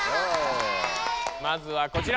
まずはこちら。